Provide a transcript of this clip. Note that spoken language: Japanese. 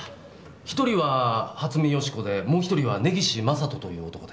１人は初見芳子でもう１人は根岸正人という男です。